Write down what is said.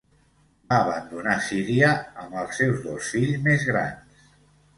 Va abandonar Síria amb els seus dos fills més grans.